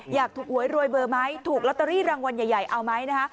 อยากถูกหวยรวยเบอร์ไหมถูกลอตเตอรี่รางวัลใหญ่เอาไหมนะคะ